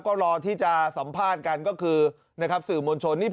ก็รอที่จะสัมภาษณ์กันก็คือนะครับสื่อมวลชน